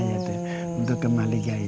untuk kemah ligai